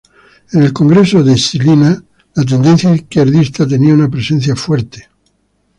En el congreso de Žilina, la tendencia izquierdista tenía una presencia fuerte.